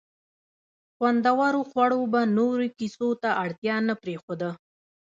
خوندورو خوړو به نورو کیسو ته اړتیا نه پرېښوده.